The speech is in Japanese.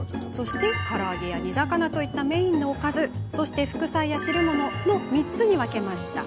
から揚げや煮魚といったメインのおかずそして副菜や汁物の３つに分けました。